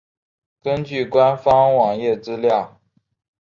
根据官方网页资料。